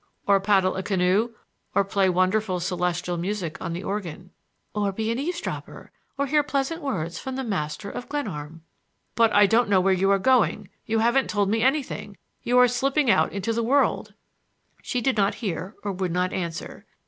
"Or paddle a canoe, or play wonderful celestial music on the organ." "Or be an eavesdropper or hear pleasant words from the master of Glenarm—" "But I don't know where you are going—you haven't told me anything—you are slipping out into the world—" She did not hear or would not answer.